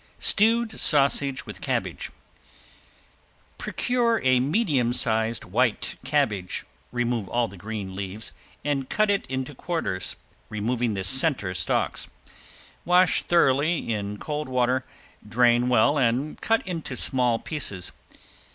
~STEWED SAUSAGE WITH CABBAGE~ Procure a medium sized white cabbage, remove all the green leaves, and cut it into quarters, removing the center stalks. Wash thoroughly in cold water, drain well and cut into small pieces.